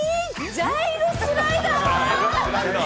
ジャイロ・スライダー！